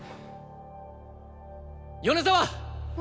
米沢！